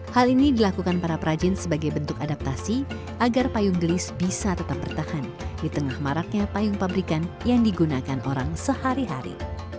hal ini dilakukan para perajin sebagai bentuk adaptasi agar payung gelis bisa tetap bertahan di tengah maraknya payung pabrikan yang digunakan orang sehari hari